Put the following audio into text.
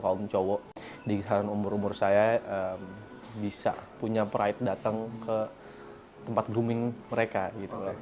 kaum cowok di sana umur umur saya bisa punya pride datang ke tempat grooming mereka gitu